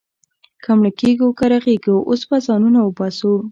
که مړه کېږو، که رغېږو، اوس به ځانونه وباسو.